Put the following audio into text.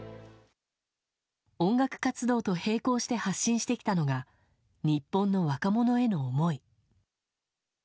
音楽活動と並行して発信してきたのが日本の若者への思い。